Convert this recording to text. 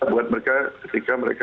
buat mereka ketika mereka